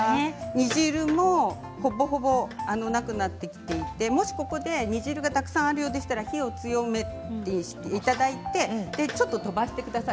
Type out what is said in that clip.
煮汁もほぼほぼなくなってきていてもしここで煮汁がたくさんあるようでしたら火を強めていただいてちょっと飛ばしてください。